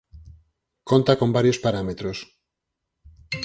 Conta con varios parámetros.